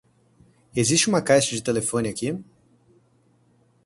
Existe uma caixa de telefone aqui?